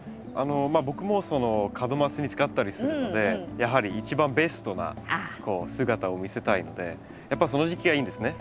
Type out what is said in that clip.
僕も門松に使ったりするのでやはり一番ベストな姿を見せたいのでやっぱその時期がいいんですね。